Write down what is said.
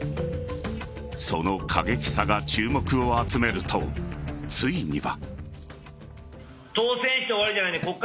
その過激さが注目を集めるとついには。